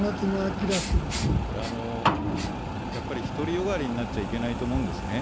これ、やっぱり独りよがりになっちゃいけないと思うんですね。